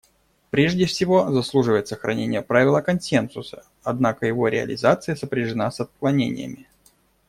Прежде всего заслуживает сохранения правило консенсуса, однако его реализация сопряжена с отклонениями.